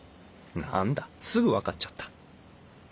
何だすぐ分かっちゃった。